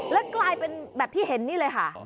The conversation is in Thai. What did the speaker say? แล้วกลายเป็นแบบที่เห็นนี่เลยค่ะ